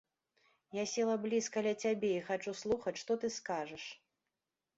Я села блізка ля цябе і хачу слухаць, што ты скажаш.